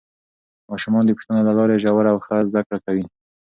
ماشومان د پوښتنو له لارې ژوره او ښه زده کړه کوي